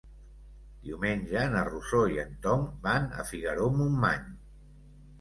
Diumenge na Rosó i en Tom van a Figaró-Montmany.